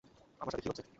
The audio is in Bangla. আমার সাথে কী হচ্ছে?